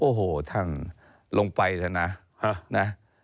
โอ้โหท่านลงไปนะ